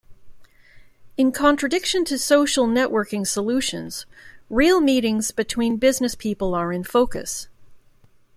In contradiction to social networking solutions, real meetings between business people are in focus.